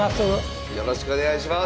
よろしくお願いします。